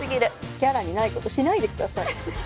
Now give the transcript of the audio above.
キャラにないことしないで下さい。